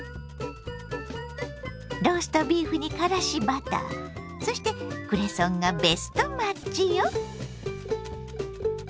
ローストビーフにからしバターそしてクレソンがベストマッチよ。